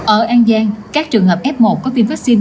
ở an giang các trường hợp f một có viêm vaccine